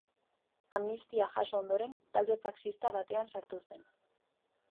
Amnistia jaso ondoren, talde faxista batean sartu zen.